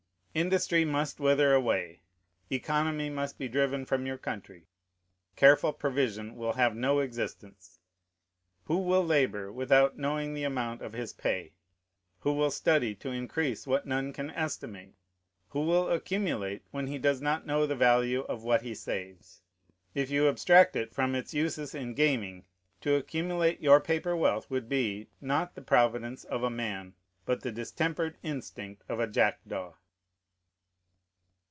Industry must wither away. Economy must be driven from your country. Careful provision will have no existence. Who will labor without knowing the amount of his pay? Who will study to increase what none can estimate? Who will accumulate, when he does not know the value of what he saves? If you abstract it from its uses in gaming, to accumulate your paper wealth would be, not the providence of a man, but the distempered instinct of a jackdaw.